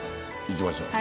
行きましょう。